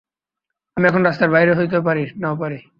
আমি এখন রাস্তায় বাহির হইতেও পারি, নাও পারি।